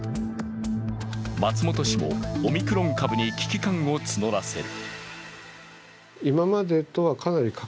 松本氏も、オミクロン株に危機感を募らせる。